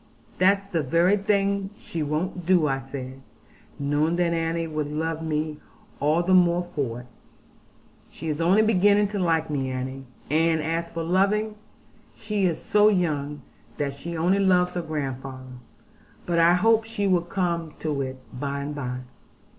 'That's the very thing she won't do,' said I, knowing that Annie would love me all the more for it, 'she is only beginning to like me, Annie; and as for loving, she is so young that she only loves her grandfather. But I hope she will come to it by and by.'